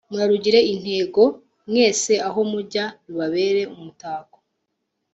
Murarugire intego mwese aho mujya rubabere umutako